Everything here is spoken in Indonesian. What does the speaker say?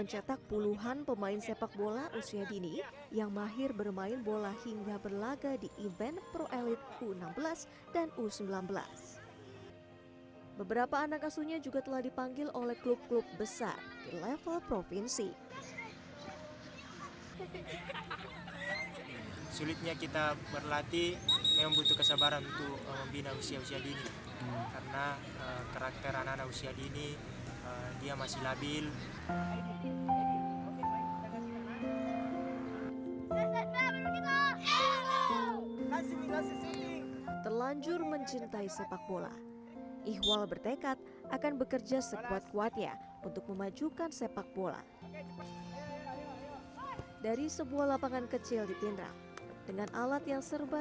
jangan lupa like share dan subscribe ya